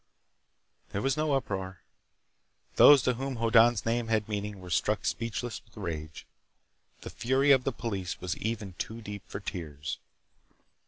There was no uproar. Those to whom Hoddan's name had meaning were struck speechless with rage. The fury of the police was even too deep for tears.